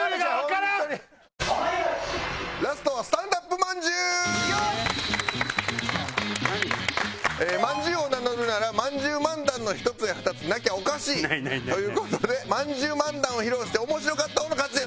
まんじゅうを名乗るならまんじゅう漫談の１つや２つなきゃおかしいという事でまんじゅう漫談を披露して面白かった方の勝ちです。